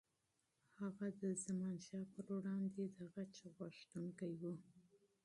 هغه د زمانشاه پر وړاندې د غچ غوښتونکی و.